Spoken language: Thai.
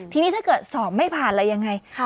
ทีนี้ถ้าเกิดสอบไม่ผ่านอะไรยังไง